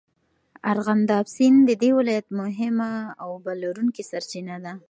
ارغنداب سیند د دې ولایت مهمه اوبهلرونکې سرچینه ده.